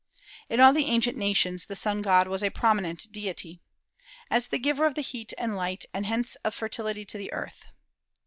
In all the ancient nations the sun god was a prominent deity, as the giver of heat and light, and hence of fertility to the earth.